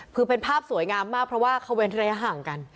คือเป็นภาพสวยงามมากเพราะว่าเขาเว้นระยะห่างกัน